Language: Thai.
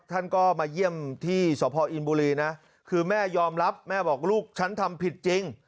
ท่านก็มาเยี่ยมที่สพอินบุรีนะคือแม่ยอมรับแม่บอกลูกฉันทำผิดจริง